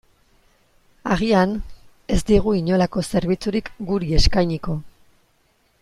Agian, ez digu inolako zerbitzurik guri eskainiko.